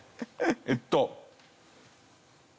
えっと。